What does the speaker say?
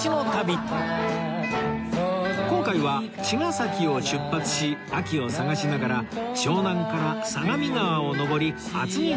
今回は茅ヶ崎を出発し秋を探しながら湘南から相模川を上り厚木